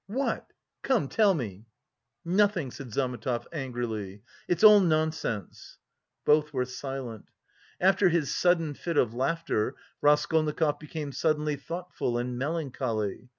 What? Come, tell me!" "Nothing," said Zametov, getting angry, "it's all nonsense!" Both were silent. After his sudden fit of laughter Raskolnikov became suddenly thoughtful and melancholy.